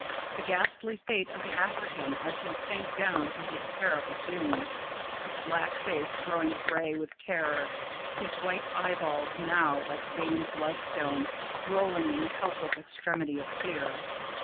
The ghastly fate of the African as he sank down to his terrible doom, his black face growing grey with terror, his white eyeballs, now like veined bloodstone, rolling in the helpless extremity of fear.